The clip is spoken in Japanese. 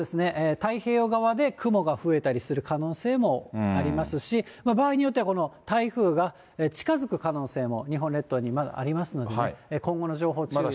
太平洋側で雲が増えたりする可能性もありますし、場合によっては、この台風が近づく可能性も日本列島に、まだありますのでね、今後の情報、注意をしてください。